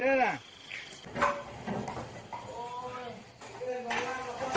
ทางนู้นตายแล้วน่ะ